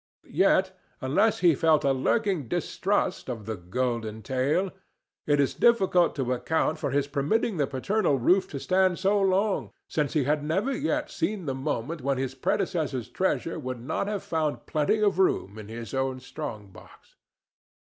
Yet, unless he felt a lurking distrust of the golden tale, it is difficult to account for his permitting the paternal roof to stand so long, since he had never yet seen the moment when his predecessor's treasure would not have found plenty of room in his own strong box.